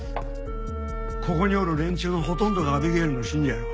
ここにおる連中のほとんどがアビゲイルの信者やろ。